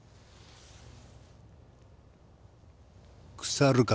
腐るか